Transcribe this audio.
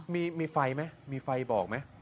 มีไฟไหมมีไฟบอกไหม